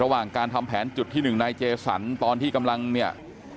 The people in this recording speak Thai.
ระหว่างการทำแผนจุดที่หนึ่งนายเจสันตอนที่กำลังเนี่ย